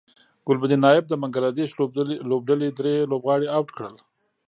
ګلبدین نایب د بنګلادیش لوبډلې درې لوبغاړي اوټ کړل